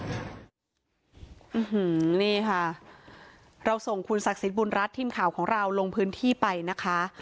อืมนี่ค่ะเราส่งคุณศักดิ์สิทธิบุญรัฐทีมข่าวของเราลงพื้นที่ไปนะคะ